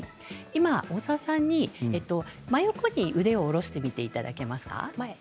今、大沢さん、真横に腕を下ろしていただけますか？